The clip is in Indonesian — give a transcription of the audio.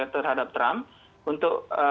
terhadap trump untuk